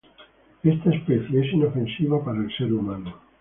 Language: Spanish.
Esta especie es inofensiva para el ser humano.